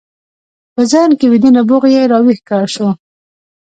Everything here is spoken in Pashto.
په ذهن کې ويده نبوغ يې را ويښ شو.